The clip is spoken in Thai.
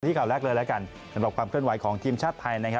ข่าวแรกเลยแล้วกันสำหรับความเคลื่อนไหวของทีมชาติไทยนะครับ